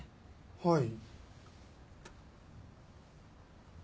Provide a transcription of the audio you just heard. はい。